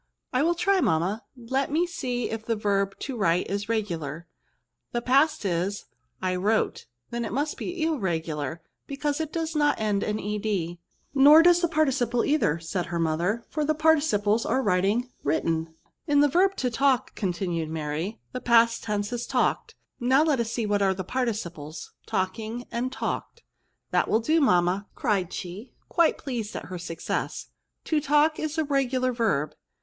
^^ I will try, mamma. Let me see if the verb to write is regular ; the past is, I wrote ; then it must be irregular, because it does not end in edJ* " Nor does the participle either/* said her mother ;^' for the participles are writing ^ written^ In the verb to talk," continued Mary, *^ the past tense is talked ; now let us see what are the participles— ^a/i»;2^ and talked. That will do, mamma, cried she, quite pleased at her success ;^* to talk is a regular verb.